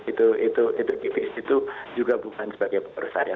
itu itu itu itu juga bukan sebagai perusahaan